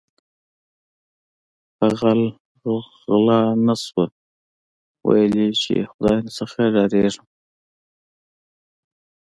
په غل غلا نشوه ویل یی چې ی خدای نه ډاریږم